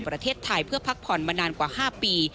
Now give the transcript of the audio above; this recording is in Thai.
ประเทศไทยเพื่อพักผ่อนมานานกว่า๕ปี